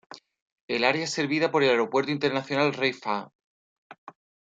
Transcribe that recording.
El área es servida por el Aeropuerto Internacional Rey Fahd.